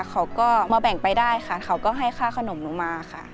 เขาก็มาแบ่งไปได้ค่ะเขาก็ให้ค่าขนมหนูมาค่ะ